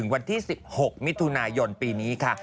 วันที่๑๖มิถุนายนปีนี้ค่ะ